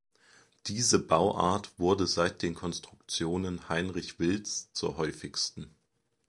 Diese Bauart wurde seit den Konstruktionen Heinrich Wilds zur häufigsten.